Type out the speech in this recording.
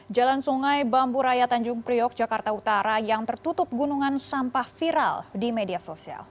jalan sungai bambu raya tanjung priok jakarta utara yang tertutup gunungan sampah viral di media sosial